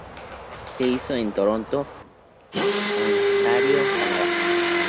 Se hizo en Toronto, Ontario, Canadá.